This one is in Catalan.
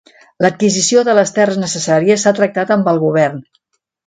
L'adquisició de les terres necessàries s'ha tractat amb el Govern.